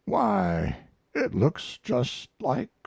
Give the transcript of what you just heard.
Why, it looks just like 69."